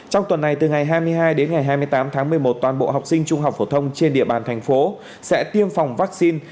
trong tuần này từ ngày hai mươi hai đến ngày hai mươi tám tháng một mươi một toàn bộ học sinh trung học phổ thông trên địa bàn thành phố sẽ tiêm phòng vaccine